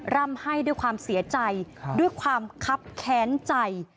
ร่ำให้ด้วยความเสียใจด้วยความคับแค้นใจ